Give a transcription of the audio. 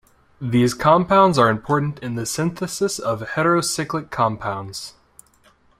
These compounds are important in the synthesis of heterocyclic compounds.